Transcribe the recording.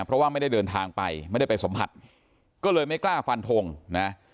เพราะว่าไม่ได้เดินทางไปไม่ได้ไปสัมผัสก็เลยไม่กล้าฟันทงนะ